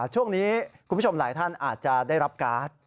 ช่วงนี้คุณผู้ชมหลายท่านอาจจะได้รับการ์ด